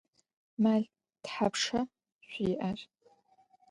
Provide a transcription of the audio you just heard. Mel thapşşa şsui'er?